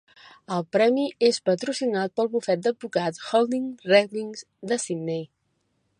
El premi és patrocinat pel bufet d'advocats Holding Redlich de Sydney.